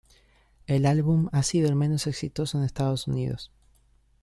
El álbum ha sido el menos exitoso en Estados Unidos.